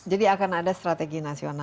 jadi akan ada strategi nasional